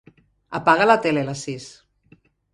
Apaga la tele a les sis.